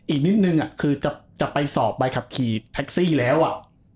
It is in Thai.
อีกนิดนึงคือจะไปสอบใบขับขี่แท็กซี่แล้วอ่ะ